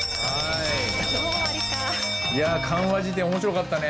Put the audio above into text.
いや漢和辞典面白かったね。